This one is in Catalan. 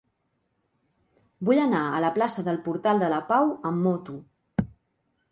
Vull anar a la plaça del Portal de la Pau amb moto.